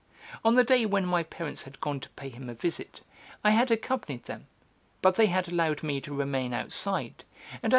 On the day when my parents had gone to pay him a visit, I had accompanied them, but they had allowed me to remain outside, and as M.